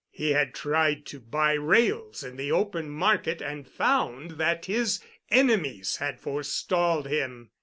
He had tried to buy rails in the open market and found that his enemies had forestalled him.